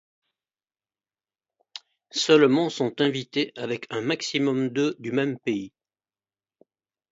Seulement sont invités, avec un maximum de du même pays.